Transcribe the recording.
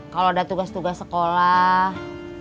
kalau ada tugas tugas sekolah